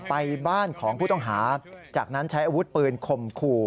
ไปบ้านของผู้ต้องหาจากนั้นใช้อาวุธปืนข่มขู่